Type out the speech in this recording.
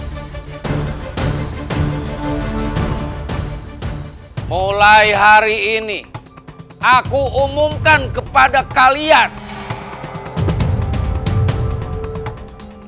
saya jadi penasaran mengapa gusti prabu bisa bertikah laku seperti ini